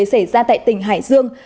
xảy ra tại tỉnh hải dương